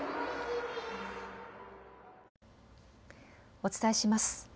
お伝えします。